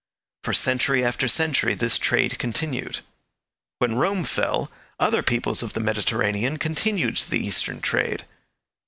For century after century this trade continued. When Rome fell, other peoples of the Mediterranean continued the Eastern trade.